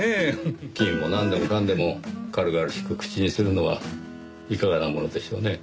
君もなんでもかんでも軽々しく口にするのはいかがなものでしょうねぇ。